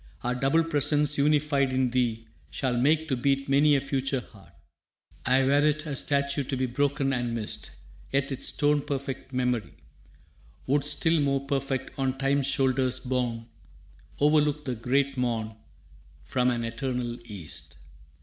Our double presence unified in thee Shall make to beat many a future heart. Ay, were't a statue to be broken and missed, Yet its stone perfect memory Would, still more perfect, on Time's shoulders borne, Overlook the great Morn From an eternal East.